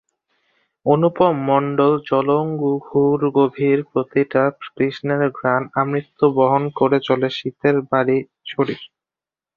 অনুপম মণ্ডলজলঘুঙুরগভীর প্রতিটা তৃষ্ণার ঘ্রাণ আমৃত্যু বহন করে চলে শীতের ভারী শরীর।